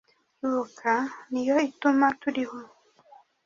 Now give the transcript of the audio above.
ibuka ni yo ituma turiho